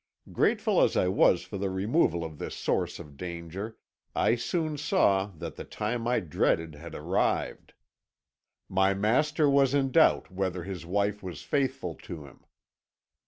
"Grateful as I was at the removal of this source of danger, I soon saw that the time I dreaded had arrived. My master was in doubt whether his wife was faithful to him.